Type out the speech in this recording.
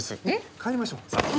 帰りましょうさあ。